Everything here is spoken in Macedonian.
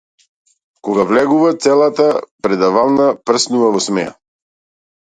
Кога влегува, целата предавална прснува во смеа.